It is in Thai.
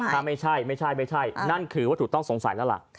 ถ้าไม่ใช่ไม่ใช่นั่นคือวัตถุต้องสงสัยแล้วล่ะ